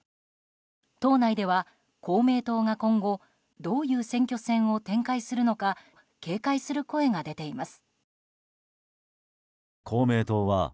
党内では公明党が今後どういう選挙戦を展開するのか警戒する声が出ています。